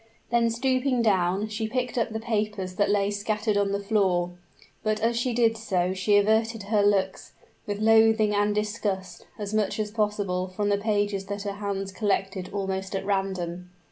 Then stooping down, she picked up the papers that lay scattered on the floor: but as she did so she averted her looks, with loathing and disgust, as much as possible from the pages that her hands collected almost at random.